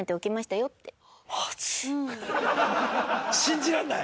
信じられない？